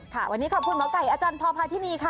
วันนี้ขอบคุณหมอไก่อาจารย์พอพาทินีค่ะ